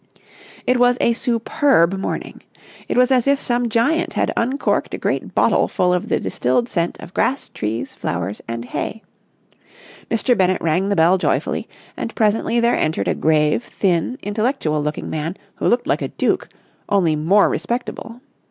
It was a superb morning. It was as if some giant had uncorked a great bottle full of the distilled scent of grass, trees, flowers, and hay. Mr. Bennett rang the bell joyfully, and presently there entered a grave, thin, intellectual looking man who looked like a duke, only more respectable.